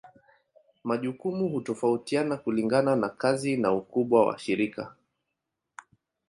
Majukumu hutofautiana kulingana na kazi na ukubwa wa shirika.